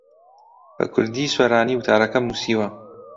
بە کوردیی سۆرانی وتارەکەم نووسیوە.